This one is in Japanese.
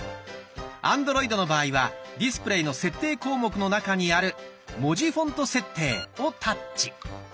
アンドロイドの場合は「ディスプレイ」の設定項目の中にある「文字フォント設定」をタッチ。